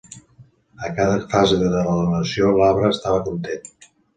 A cada fase de la donació, l"arbre estava content.